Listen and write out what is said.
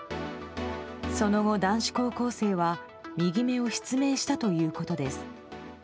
その後、男子高校生は右目を失明したということです。